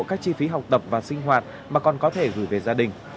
các chi phí học tập và sinh hoạt mà còn có thể gửi về gia đình